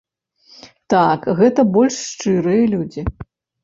Так, гэта больш шчырыя людзі.